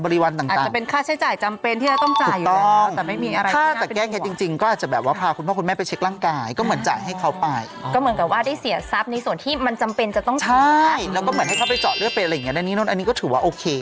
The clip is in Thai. พี่เจาะเลือกเป็นอะไรอย่างนี้นั่นอันนี้ก็ถือว่าโอเค